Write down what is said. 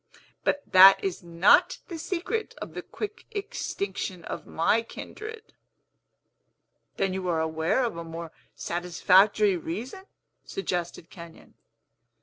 But that is not the secret of the quick extinction of my kindred." "Then you are aware of a more satisfactory reason?" suggested Kenyon.